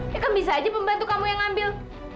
ya kan bisa aja pembantu kamu yang ngambil